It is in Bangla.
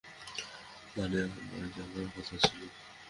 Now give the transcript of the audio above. মানে আমার যাবার কথা ছিল।